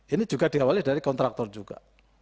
ini juga diawali dari kontraktor juga